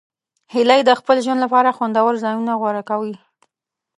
هیلۍ د خپل ژوند لپاره خوندور ځایونه غوره کوي